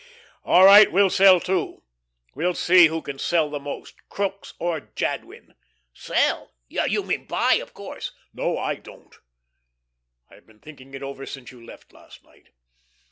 All right. We'll sell, too. We'll see who can sell the most Crookes or Jadwin." "Sell! You mean buy, of course." "No, I don't. I've been thinking it over since you left last night.